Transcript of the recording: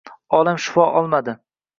Olam — shifo olmadi.